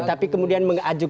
tapi kemudian mengajukan